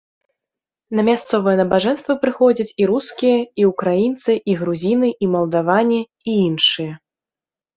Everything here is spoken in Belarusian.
На мясцовыя набажэнствы прыходзяць і рускія, і ўкраінцы, і грузіны, і малдаване, і іншыя.